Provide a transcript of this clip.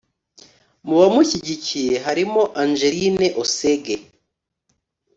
Mu bamushyigikiye harimo Angeline Osege